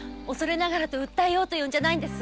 訴えようというんじゃないんです。